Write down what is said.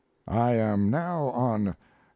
I am now on No.